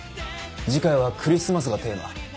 次回はクリスマスがテーマ。